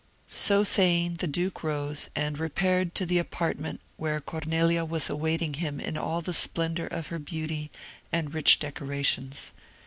So saying, the duke rose, and repaired to the apartment where Cornelia was awaiting him in all the splendour of her beauty and rich decorations.